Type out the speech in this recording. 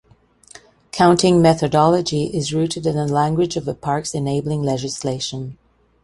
Counting methodology is rooted in the language of a park's enabling legislation.